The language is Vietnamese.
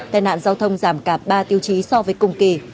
tài nạn giao thông giảm cả ba tiêu chí so với cùng kỳ